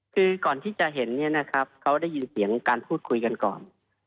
คือก่อนที่จะเห็นเนี่ยนะครับเขาได้ยินเสียงการพูดคุยกันก่อน